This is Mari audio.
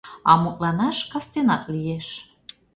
А мутланаш кастенат лиеш.